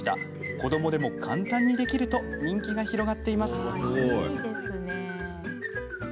子どもでも簡単にできると人気が広がっています。